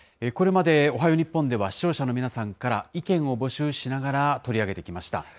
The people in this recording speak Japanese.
これまでおはよう日本では、視聴者の皆さんから意見を募集しながら、取り上げてきました。